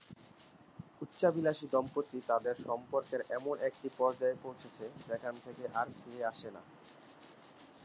উচ্চাভিলাষী দম্পতি তাদের সম্পর্কের এমন একটি পর্যায়ে পৌঁছেছে, যেখান থেকে আর ফিরে আসে না।